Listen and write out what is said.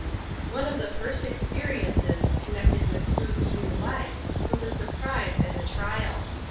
|NE of the first experiences connected with Ruth's new life was a surprise and a trial.